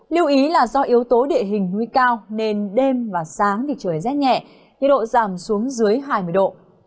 lưu ý là do yếu tố địa hình núi cao nên đêm và sáng thì trời rét nhẹ nhiệt độ giảm xuống dưới hai mươi độ